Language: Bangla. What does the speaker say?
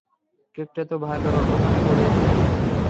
কেকটা তো ওখানে পড়ে ছিল।